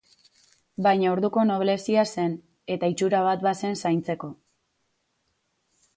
Baina orduko noblezia zen, eta itxura bat bazen zaintzeko.